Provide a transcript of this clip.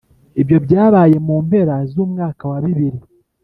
ibyo byabaye mu mpera z'umwaka wabibiri